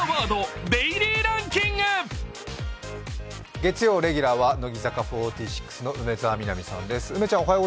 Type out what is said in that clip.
月曜レギュラーは乃木坂４６の梅澤美波さんです。